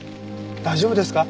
大丈夫ですか？